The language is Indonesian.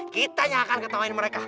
kita yang akan ketawain mereka